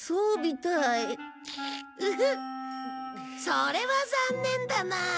それは残念だな